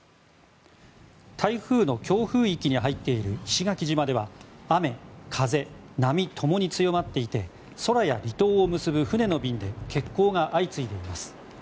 台風の強風域に入っている石垣島では雨、風、波ともに強まっていて空や離島を結ぶ船の便で欠航が相次いでいます。